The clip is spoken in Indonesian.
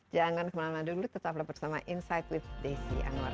jangan kemana mana dulu tetaplah bersama insight with desi anwar